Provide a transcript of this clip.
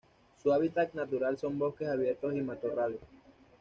Su hábitat natural son bosques abiertos y matorrales.